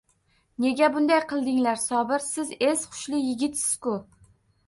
Nega bunday qildinglar, Sobir, siz es-hushli yigitsiz-ku